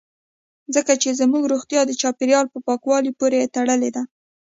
ځکه چې زموږ روغتیا د چاپیریال په پاکوالي پورې تړلې ده